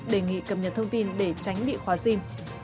đề nghị cập nhật thông tin để tránh bị khóa sim